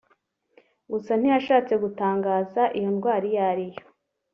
gusa ntiyashatse gutangaza iyo ndwara iyo ari yo